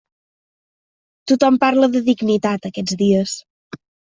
Tothom parla de dignitat, aquests dies.